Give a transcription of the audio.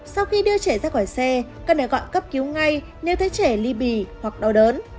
sau khi đưa trẻ ra khỏi xe con này gọi cấp cứu ngay nếu thấy trẻ ly bì hoặc đau đớn